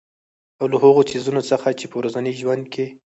او له هـغو څـيزونه څـخـه چـې په ورځـني ژونـد کـې